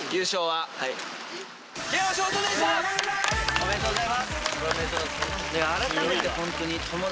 おめでとうございます！